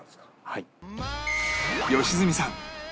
はい。